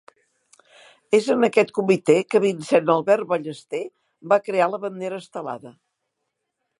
És en aquest comitè que Vincent Albert Ballester va crear la bandera estelada.